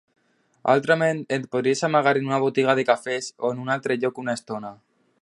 Altrament et podries amagar en una botiga de cafès o en un altre lloc una estona.